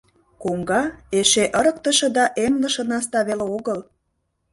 Коҥга, эше ырыктыше да эмлыше наста веле огыл.